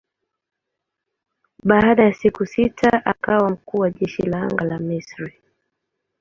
Baada ya vita ya siku sita akawa mkuu wa jeshi la anga la Misri.